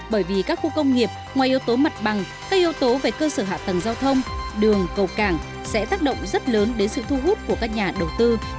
bởi vì các khu công nghiệp ngoài yếu tố mặt bằng các yếu tố về cơ sở hạ tầng giao thông đường cầu cảng sẽ tác động rất lớn đến sự thu hút của các nhà đầu tư